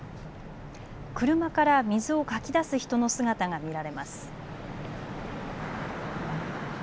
車から水をかき出す人の姿が見られます。